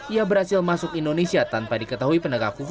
ia berhasil masuk iktp